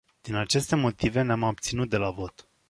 Din aceste motive, ne-am abținut de la vot.